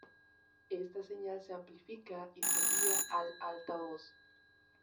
Esta señal se amplifica y se envía al altavoz.